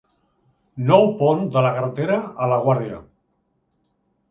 Nou pont de la carretera a la Guàrdia.